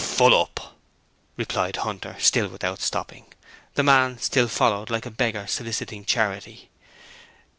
'Full up,' replied Hunter, still without stopping. The man still followed, like a beggar soliciting charity.